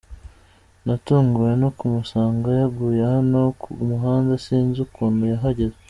Natunguwe no kumusanga yaguye hano ku muhanda sinzi ukuntu yahageze.